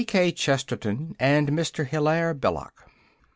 G.K. CHESTERTON AND MR. HILAIRE BELLOC 1.